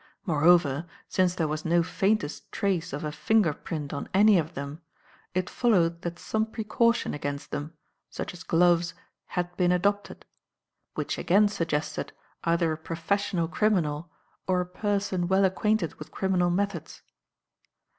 Moreover, since there was no faintest trace of a finger print on any of them, it followed that some precaution against them such as gloves had been adopted; which again suggested either a professional criminal or a person well acquainted with criminal methods.